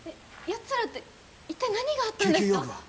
「やつら」って一体何があったんですか？